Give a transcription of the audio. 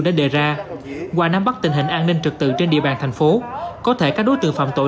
đã đề ra qua nắm bắt tình hình an ninh trực tự trên địa bàn thành phố có thể các đối tượng phạm tội